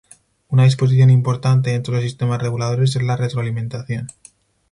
Una disposición importante dentro de los sistemas reguladores es la retroalimentación.